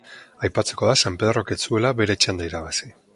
Aipatzekoa da San Pedrok ez zuela bere txanda irabazi.